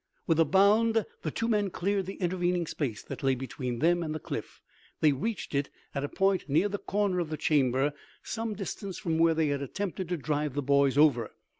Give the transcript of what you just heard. With a bound the two men cleared the intervening space that lay between them and the cliff. They reached it at a point near the corner of the chamber some distance from where they had attempted to drive the boys over.